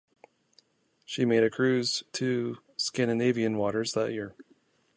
She made a cruise to Scandinavian waters that year.